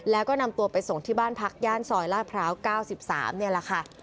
แล้วก็นำตัวไปส่งที่บ้านพักย่านสอยลาพร้าวเก้าสิบสามเนี้ยแหละค่ะ